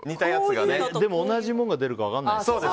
でも同じものが出るか分からない。